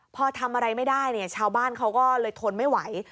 พอทำอะไรไม่ได้เนี่ยชาวบ้านเขาก็เลยทนไม่ไหว